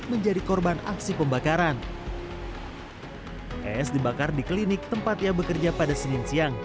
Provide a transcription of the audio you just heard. menjadi korban aksi pembakaran es dibakar di klinik tempat ia bekerja pada senin siang